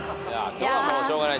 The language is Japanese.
今日はもうしょうがない。